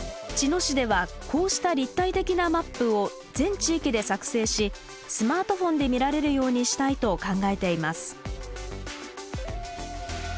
茅野市ではこうした立体的なマップを全地域で作成しスマートフォンで見られるようにしたいと考えています。